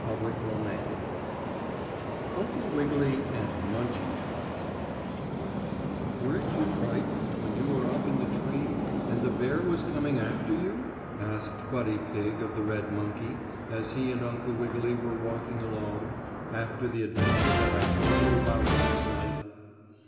STORY XXIII UNCLE WIGGILY AND MUNCHIE TROT "Weren't you frightened when you were up in the tree and the bear was coming after you?" asked Buddy Pigg of the red monkey, as he and Uncle Wiggily were walking along, after the adventure that I told you about last night.